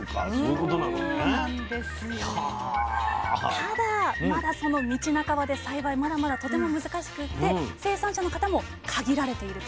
ただまだその道半ばで栽培まだまだとても難しくって生産者の方も限られていると。